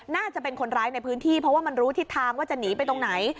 น่าจะเป็นคนร้ายในพื้นที่เพราะว่ามันรู้ทิศทางว่าจะหนีไปตรงไหน